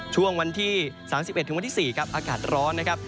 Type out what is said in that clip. ช่วงวันที่๓๑๔อากาศร้อนนะครับ